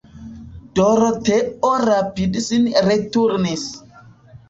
Doroteo rapide sin returnis.